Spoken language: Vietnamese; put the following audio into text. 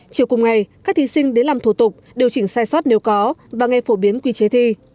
chiều cùng ngày các thí sinh đến làm thủ tục điều chỉnh sai sót nếu có và nghe phổ biến quy chế thi